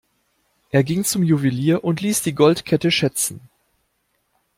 Er ging zum Juwelier und ließ die Goldkette schätzen.